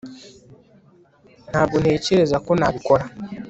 ntabwo ntekereza ko nabikora